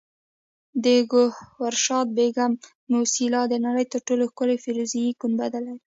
د ګوهرشاد بیګم موسیلا د نړۍ تر ټولو ښکلي فیروزي ګنبد لري